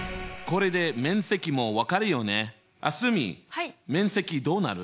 蒼澄面積どうなる？